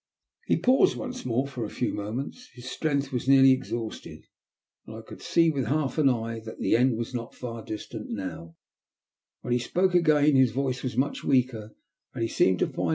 He paused once more for a few mome strength was nearly exhausted, and I could half an eye that the end was not far dists When he spoke again his voice was much and he seemed to find.